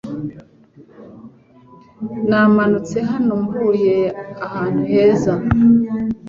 Namanutse hano mvuye ahantu heza